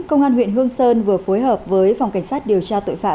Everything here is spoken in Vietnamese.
công an huyện hương sơn vừa phối hợp với phòng cảnh sát điều tra tội phạm